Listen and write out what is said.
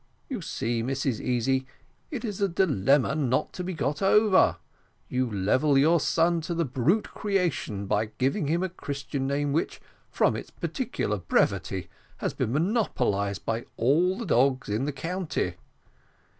You see, Mrs Easy, it is a dilemma not to be got over. You level your only son to the brute creation by giving him a Christian name which, from its peculiar brevity, has been monopolised by all the dogs in the county.